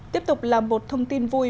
tiếp tục là một thông tin vui